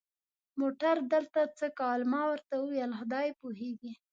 موټر دلته څه کول؟ ما ورته وویل: خدای پوهېږي.